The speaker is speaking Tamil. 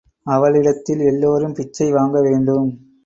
அவளிடத்தில் எல்லோரும் பிச்சை வாங்க வேண்டும்.